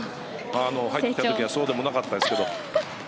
入った時はそうでもなかったですけど。